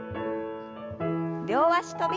両足跳び。